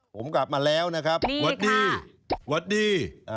ผมกลับมาแล้วนะครับสวัสดีสวัสดี